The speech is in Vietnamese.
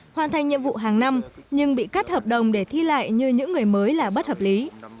hoàn thành nhiệm vụ hàng năm nhưng bị cắt hợp đồng để thi lại như những người mới là bất hợp lý